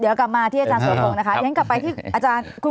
เดี๋ยวกลับมาที่คุณอาจารย์เสาน